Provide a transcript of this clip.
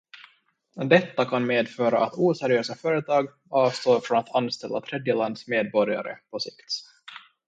Detta kan medföra att oseriösa företag avstår från att anställa tredjelandsmedborgare på sikt.